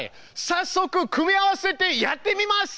さっそく組み合わせてやってみます。